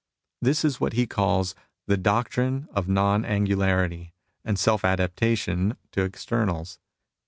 This is what he calls the doctrine of non angularity and self adaptation to externals.